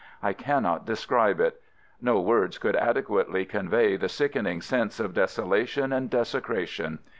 I cannot de scribe it. No words could adequately convey the sickening sense of desolation and desecration.